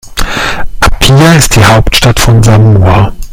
Apia ist die Hauptstadt von Samoa.